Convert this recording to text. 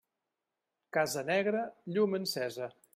Casa negra, llum encesa.